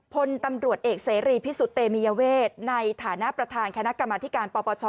พลตำรวจเอกเสรีพิสุทธิเตมียเวทในฐานะประธานคณะกรรมธิการปปช